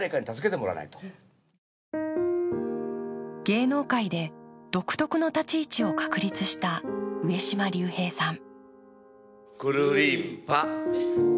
芸能界で独特の立ち位置を確立した上島竜兵さん。